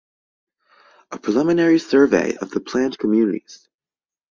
A Preliminary Survey of the Plant Communities.